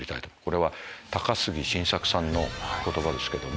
これは高杉晋作さんの言葉ですけども。